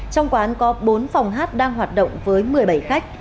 trong quán có bốn phòng hát đang hoạt động với một mươi bảy khách